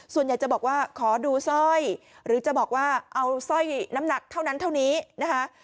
ส่วนใหญ่จะบอกว่าขอดูสร้อยหรือจะบอกว่าเอาสร้อยน้ำหนักเท่านั้นเท่านี้นะคะ